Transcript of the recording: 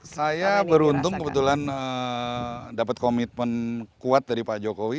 saya beruntung kebetulan dapat komitmen kuat dari pak jokowi